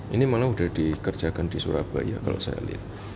ini malah sudah dikerjakan di surabaya kalau saya lihat